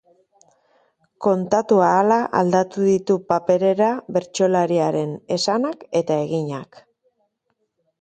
Kontatu ahala aldatu ditu paperera bertsolariaren esanak eta eginak.